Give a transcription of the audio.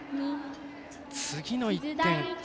次の１点。